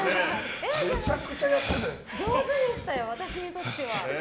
上手でしたよ、私にとっては。